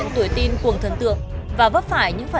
nhưng con chẳng làm gì sai cả